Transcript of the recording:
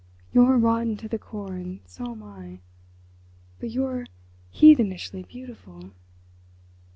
"You're rotten to the core and so am I. But you're heathenishly beautiful."